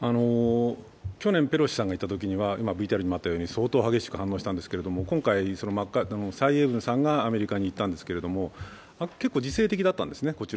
去年ペロシさんが行ったときには相当激しく反論したんですけれども、今回、蔡英文さんがアメリカに行ったんですけど、結構、自制的だったんですね。